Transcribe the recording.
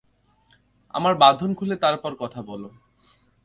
আমার বাঁধন খুলে তারপর কথা বল।